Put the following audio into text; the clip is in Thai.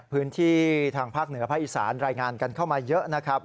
พื้นที่ทางภาคเหนือภาคอีสานรายงานกันเข้ามาเยอะนะครับ